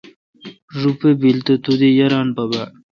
روپہ بیل تو تے یاران پہ باڑ۔